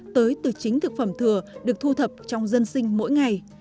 tới từ chính thực phẩm thừa được thu thập trong dân sinh mỗi ngày